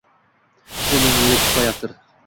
Bu ming yillik hikoyatdir